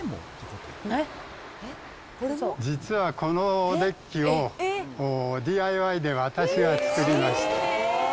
実はこのデッキを、ＤＩＹで私が作りました。